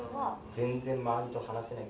全然周りと話せない。